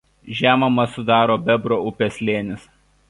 Žemumą sudaro Bebro upės slėnis.